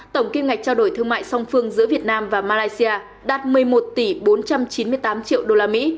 tổng kim ngạch trao đổi thương mại song phương giữa việt nam và malaysia đạt một mươi một tỷ bốn trăm chín mươi tám triệu usd